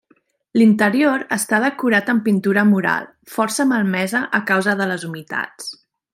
L'interior està decorat amb pintura mural, força malmesa a causa de les humitats.